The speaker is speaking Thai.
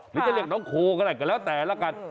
หรือจะเรียกน้องโคก็ได้ก็แล้วแต่ละกัน